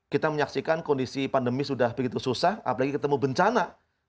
kita menyaksikan kondisi pandemi sudah begitu susah apalagi ketemu bencana